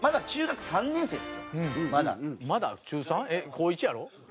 高１やろ？